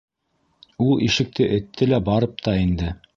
Ул ишекте этте лә барып та инде.